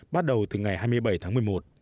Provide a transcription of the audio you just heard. bắt đầu từ ngày hai mươi bảy tháng một mươi một